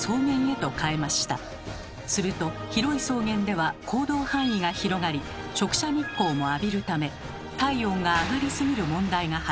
すると広い草原では行動範囲が広がり直射日光も浴びるため体温が上がりすぎる問題が発生しました。